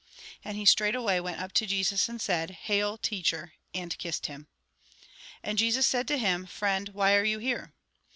And he straightway went up to Jesus, and said :" Hail, teacher !" and kissed him. And Jesus said to him :" Friend, why are you here